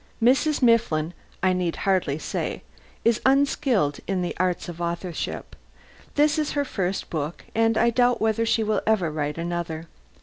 Mrs. Mifflin, I need hardly say, is unskilled in the arts of authorship: this is her first book, and I doubt whether she will ever write another.